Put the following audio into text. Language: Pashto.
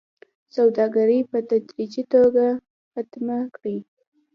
سوداګري په تدريجي توګه ختمه کړي